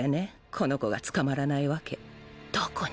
この子が捕まらないワケどこに